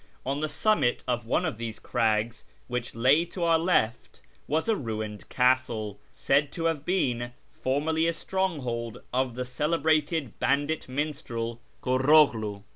On the summit of one of these crags which lay to our left was a ruined castle, said to have been formerly a stronghold of the celebrated bandit minstrel, Kurroghlu.